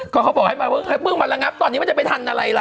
ก็เขาบอกให้มาเพิ่งมาระงับตอนนี้มันจะไปทันอะไรล่ะ